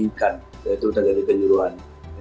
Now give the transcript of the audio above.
yang inginkan yaitu terjadi kejuruhan